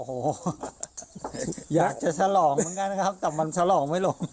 โอ้โหอยากจะฉลองเหมือนกันนะครับแต่มันฉลองไม่ลง